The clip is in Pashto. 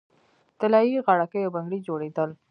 طلايي غاړکۍ او بنګړي جوړیدل